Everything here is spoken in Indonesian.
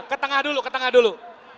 ke tengah dulu ke tengah dulu